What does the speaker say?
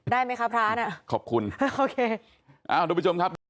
ได้ไหมคะพระอาณะขอบคุณโอเค